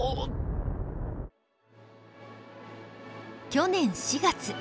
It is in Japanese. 去年４月。